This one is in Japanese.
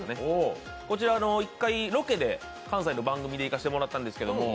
こちら１回、ロケで関西の番組で行かせてもらったんですけど